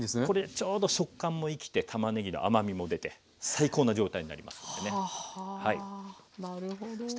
これちょうど食感もいきてたまねぎの甘みも出て最高な状態になりますのでね。